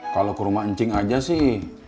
kalau ke rumah encing aja sih